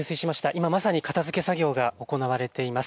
今まさに片づけ作業が行われています。